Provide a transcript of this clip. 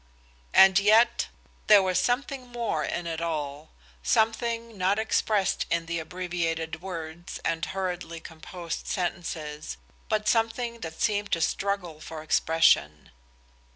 And yet, there was something more in it all something not expressed in the abbreviated words and hurriedly composed sentences, but something that seemed to struggle for expression.